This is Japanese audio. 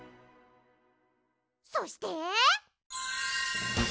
そして。